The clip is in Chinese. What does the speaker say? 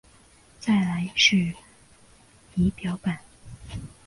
再来是仪表板